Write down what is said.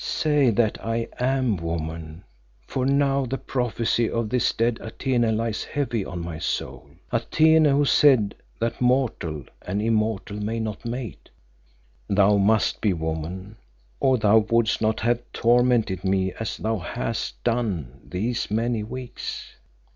Say that I am woman, for now the prophecy of this dead Atene lies heavy on my soul, Atene who said that mortal and immortal may not mate." "Thou must be woman, or thou wouldst not have tormented me as thou hast done these many weeks."